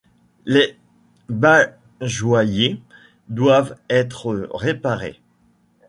Les bajoyers doivent être réparés.